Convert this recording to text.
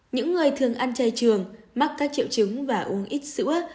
những người thường ăn chai trường mắc các triệu trứng và uống ít sữa